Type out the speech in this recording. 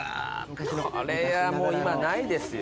これはもう今ないですよ。